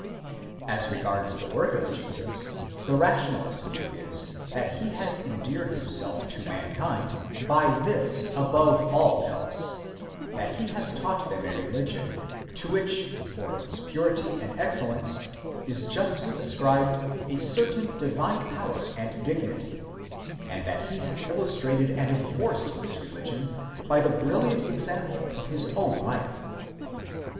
As regards the work of Jesus, the rationalistic view is, that he has endeared himself to mankind by this above all else, that he has taught them a religion to which for its purity and excellence is justly ascribed a certain divine power and dignity; and that he has illustrated and enforced this religion by the brilliant example of his own life.